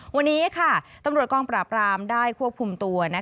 วันนี้ค่ะตำรวจกองปราบรามได้ควบคุมตัว